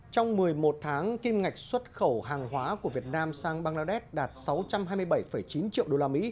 trong một mươi một tháng kim ngạch xuất khẩu hàng hóa của việt nam sang bangladesh đạt sáu trăm hai mươi bảy chín triệu usd